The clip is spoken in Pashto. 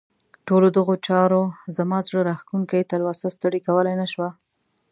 ټولو دغو چارو زما زړه راښکونکې تلوسه ستړې کولای نه شوه.